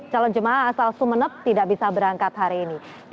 calon jemaah asal sumeneb tidak bisa berangkat hari ini